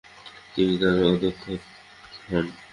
তিনি তার অধ্যক্ষা হন।